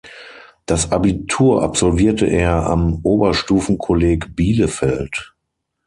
Das Abitur absolvierte er am Oberstufen-Kolleg Bielefeld.